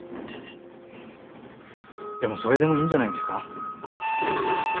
でもそれでもいいんじゃないですか？